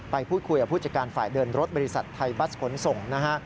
ไปพูดคุยกับผู้จัดการฝ่ายเดินรถบริษัทไทยบัสขนส่งนะฮะ